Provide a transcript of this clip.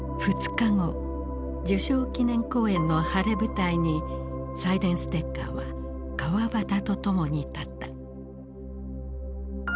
２日後受賞記念講演の晴れ舞台にサイデンステッカーは川端と共に立った。